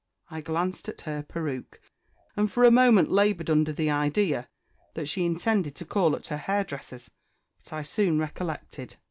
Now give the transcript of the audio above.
I glanced at her peruke, and for a moment laboured under the idea that she intended to call at her hairdresser's; but I soon recollected.